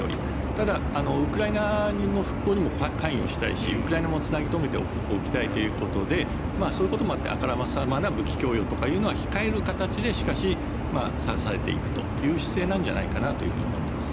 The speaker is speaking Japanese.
ただ、ウクライナの復興にも関与したいしウクライナもつなぎ留めておきたいということでそういうこともあってあからさまな武器供与というのは控える形でしかし、支えていくという姿勢なんじゃないかなと思ってます。